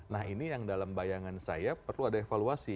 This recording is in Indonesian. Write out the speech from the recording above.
nah ini yang dalam bayangan saya perlu ada evaluasi